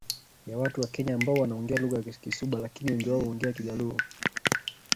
ya watu wa Kenya ambao wanaongea lugha ya Kisuba lakini wengi wao huongea Kijaluo